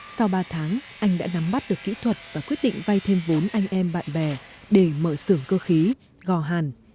sau ba tháng anh đã nắm bắt được kỹ thuật và quyết định vay thêm vốn anh em bạn bè để mở xưởng cơ khí gò hàn